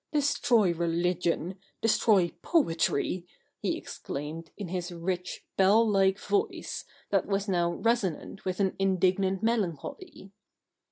Destroy religion I Destroy poetry !' he exclaimed, in his rich, bell like voice, that was now resonant with an indignant melancholy.